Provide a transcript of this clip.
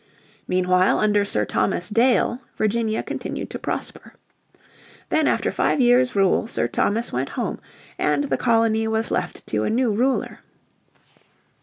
Meanwhile under Sir Thomas Dale Virginia continued to prosper. Then after five years' rule Sir Thomas went home and the colony was left to a new ruler.